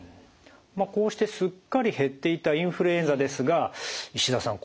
こうしてすっかり減っていたインフルエンザですが石田さん